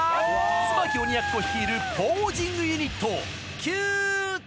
椿鬼奴率いるポージングユニット